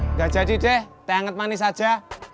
nggak jadi deh teh hangat manis aja